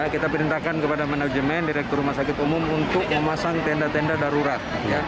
kita perintahkan kepada manajemen direktur rumah sakit umum untuk memasang tenda tenda darurat